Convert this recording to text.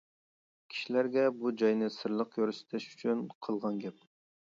-كىشىلەرگە بۇ جاينى سىرلىق كۆرسىتىش ئۈچۈن قىلغان گەپ.